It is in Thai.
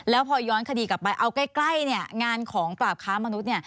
แล้วพอย้อนคดีกลับไปเอาใกล้เนี่ยงานของปราบค้ามนุษย์